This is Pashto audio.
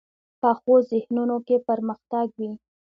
پخو ذهنونو کې پرمختګ وي